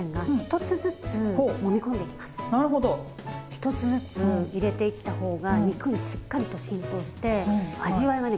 １つずつ入れていった方が肉にしっかりと浸透して味わいがね